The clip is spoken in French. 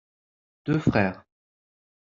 Deux frères.